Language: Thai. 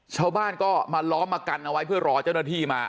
ชาวบ้านก็มาล้อมมากันเอาไว้เพื่อรอเจ้าหน้าที่มา